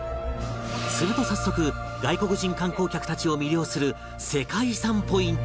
すると早速外国人観光客たちを魅了する世界遺産ポイントが